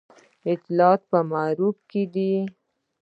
اطاعت په معروف کې دی